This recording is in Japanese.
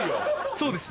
そうです